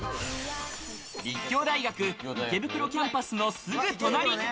立教大学、池袋キャンパスのすぐ隣。